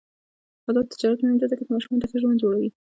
آزاد تجارت مهم دی ځکه چې ماشومانو ته ښه ژوند جوړوي.